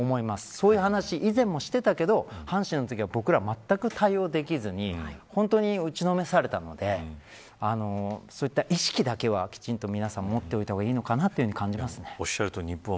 そういう話を以前もしてだけど阪神のときは僕らまったく対応できずに本当に打ちのめされたのでそういった意識だけはきちんと皆さん持っておいた方がいいのかなと感じます。